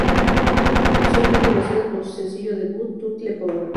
Son más conocidos por su sencillo debut, "Turtle Power!